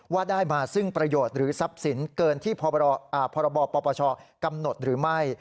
ว่าได้มาซึ่งประโยชน์หรือทรัพย์สินเกินที่พรบปปชกำหนดหรือไม่